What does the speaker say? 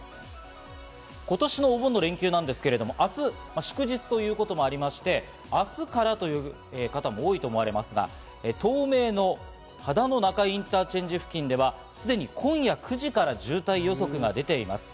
今年のお盆の連休なんですけれども明日祝日ということもありまして、明日からという方も多いと思われますが、東名の秦野中井インターチェンジ付近ではすでに今夜９時から渋滞予測が出ています。